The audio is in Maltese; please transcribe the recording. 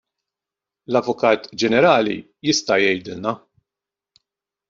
L-Avukat Ġenerali jista' jgħidilna.